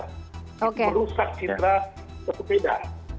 itu merusak cinta sepeda